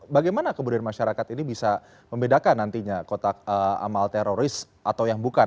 bagaimana kemudian masyarakat ini bisa membedakan nantinya kotak amal teroris atau yang bukan